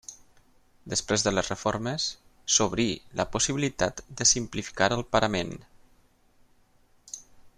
Després de les reformes, s'obrí la possibilitat de simplificar el parament.